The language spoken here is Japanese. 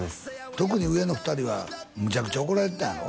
特に上の２人はムチャクチャ怒られてたんやろ？